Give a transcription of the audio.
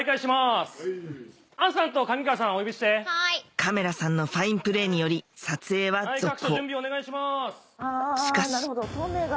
カメラさんのファインプレーにより撮影は続行しかしなるほど東名が。